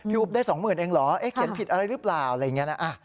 พี่อุ๊บได้สองหมื่นเองเหรอเอ๊ะเขียนผิดอะไรหรือเปล่าอะไรอย่างนี้นะ